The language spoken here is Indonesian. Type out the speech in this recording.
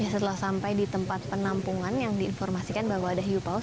setelah sampai di tempat penampungan yang diinformasikan bahwa ada hiu paus